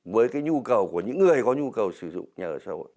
với cái nhu cầu của những người có nhu cầu sử dụng nhà ở xã hội